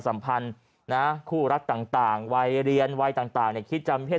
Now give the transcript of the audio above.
สัมพันธ์นะคู่รักต่างวัยเรียนวัยต่างคิดจำเพศ